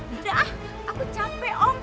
tidak ah aku capek om